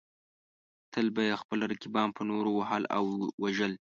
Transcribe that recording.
تل به یې خپل رقیبان په نورو وهل او وژل.